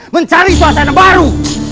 mencari suasana baru